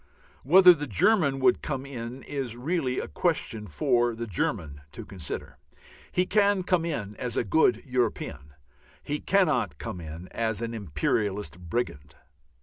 Whether the German would come in is really a question for the German to consider; he can come in as a good European, he cannot come in as an imperialist brigand.